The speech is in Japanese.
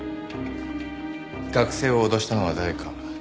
学生を脅したのは誰か。